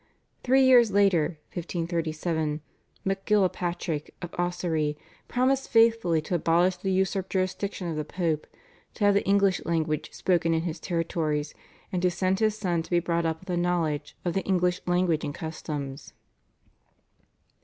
Three years later (1537) MacGillapatrick of Ossory promised faithfully to abolish the usurped jurisdiction of the Pope, to have the English language spoken in his territories, and to send his son to be brought up with a knowledge of the English language and customs.